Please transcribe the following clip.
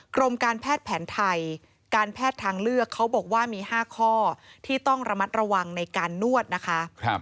กรมการแพทย์แผนไทยการแพทย์ทางเลือกเขาบอกว่ามี๕ข้อที่ต้องระมัดระวังในการนวดนะคะ